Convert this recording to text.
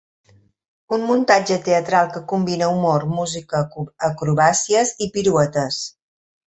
Un muntatge teatral que combina humor, música, acrobàcies i piruetes.